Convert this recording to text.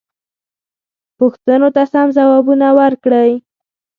پوښتنو ته سم ځوابونه ورکړئ.